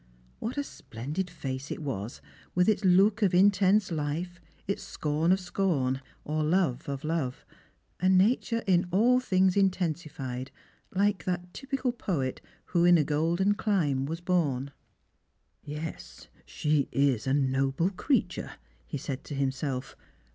"What a splendid face it was, with ita look of intense hfe, its scorn of scorn, or love of love ; a natui e in all thinfTs intensified, like that typical poet who in a golden chnne was born. " Yes, she is a noble creature," he said to himself.